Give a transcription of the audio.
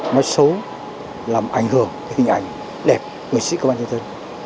nó xấu làm ảnh hưởng hình ảnh đẹp người sĩ công an nhân dân